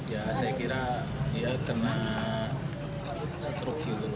ya saya kira dia kena struk dulu